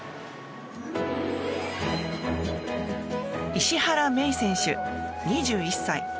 石原愛依選手、２１歳。